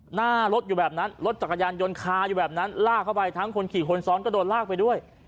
หน้ารถอยู่แบบนั้นรถจักรยานยนต์คาอยู่แบบนั้นลากเข้าไปทั้งคนขี่คนซ้อนก็โดนลากไปด้วย